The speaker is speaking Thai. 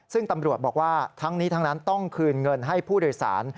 ซึ่งตำรวจบอกว่าทั้งนี้ทั้งนั้นต้องคืนเงินให้ผู้โดยสาร